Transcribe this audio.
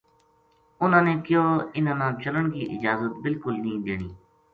اُنھاں نے کہیو اِنھا ں نا چلن کی اجازت بالکل نیہہ دینی